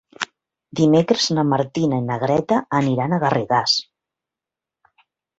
Dimecres na Martina i na Greta aniran a Garrigàs.